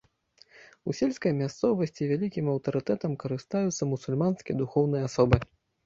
У сельскай мясцовасці вялікім аўтарытэтам карыстаюцца мусульманскія духоўныя асобы.